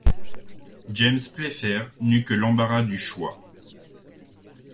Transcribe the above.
James Playfair n’eut que l’embarras du choix.